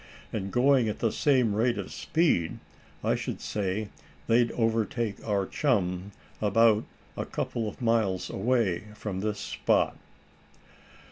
And going at the same rate of speed I should say they'd overtake our chum about a couple of miles away from this spot."